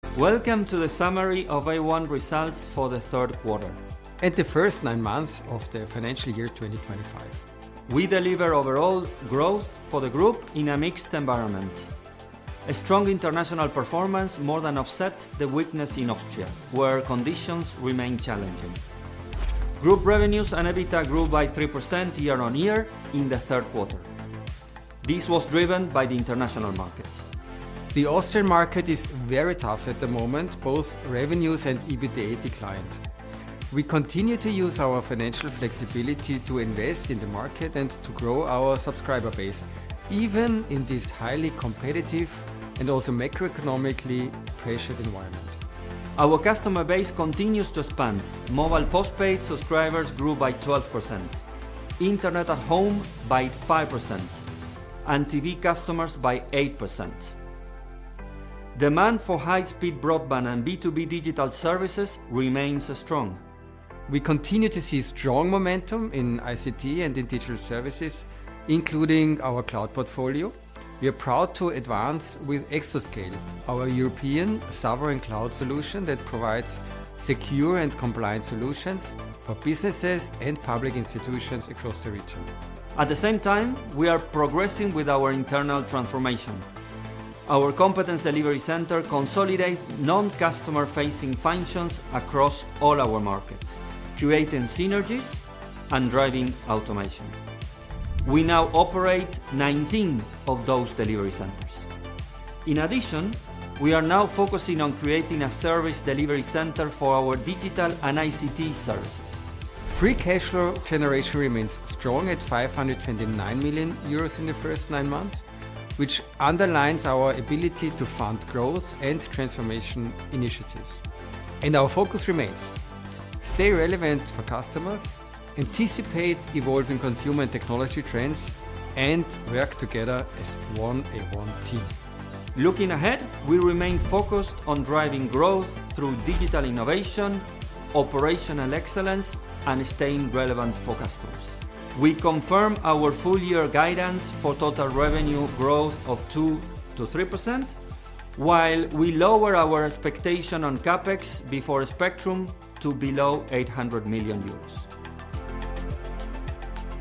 Welcome to the summary of A1 results for the third quarter. And the first nine months of the financial year 2025. We deliver overall growth for the Group in a mixed environment. A strong international performance more than offsets the weakness in Austria, where conditions remain challenging. Group revenues and EBITDA grew by 3% year-on-year in the third quarter. This was driven by the international markets. The Austrian market is very tough at the moment. Both revenues and EBITDA declined. We continue to use our financial flexibility to invest in the market and to grow our subscriber base, even in this highly competitive and also macroeconomically pressured environment. Our customer base continues to expand. Mobile postpaid subscribers grew by 12%, internet at home by 5%, and TV customers by 8%. Demand for high-speed broadband and B2B digital services remains strong. We continue to see strong momentum in ICT and in digital services, including our cloud portfolio. We are proud to advance with Exoscale, our European sovereign cloud solution that provides secure and compliant solutions for businesses and public institutions across the region. At the same time, we are progressing with our internal transformation. Our competence delivery center consolidates non-customer-facing functions across all our markets, creating synergies and driving automation. We now operate 19 of those delivery centers. In addition, we are now focusing on creating a service delivery center for our digital and ICT services. Free cash flow generation remains strong at 529 million euros in the first nine months, which underlines our ability to fund growth and transformation initiatives. Our focus remains: stay relevant for customers, anticipate evolving consumer and technology trends, and work together as one A1 team. Looking ahead, we remain focused on driving growth through digital innovation, operational excellence, and staying relevant for customers. We confirm our full-year guidance for total revenue growth of 2%-3%, while we lower our expectation on CapEx before a spectrum to below €800 million.